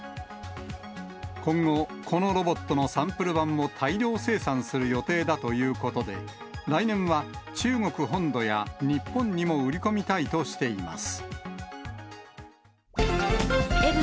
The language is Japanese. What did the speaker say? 今後、このロボットのサンプル版を大量生産する予定だということで、来年は中国本土や日本にも売り込みたいとしています。